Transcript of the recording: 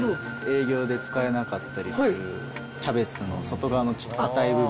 営業で使えなかったりするキャベツの外側のちょっと堅い部分。